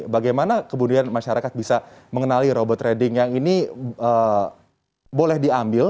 bagaimana kemudian masyarakat bisa mengenali robot trading yang ini boleh diambil